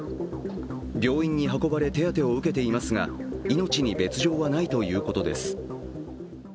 病院に運ばれ、手当を受けていますが、命に別状はないということです。